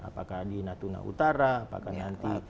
apakah di natuna utara apakah nanti